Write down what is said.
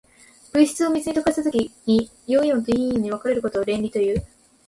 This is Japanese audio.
物質を水に溶かしたときに、陽イオンと陰イオンに分かれることを電離という。